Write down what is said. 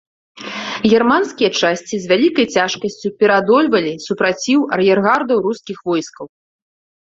Германскія часці з вялікай цяжкасцю пераадольвалі супраціў ар'ергардаў рускіх войскаў.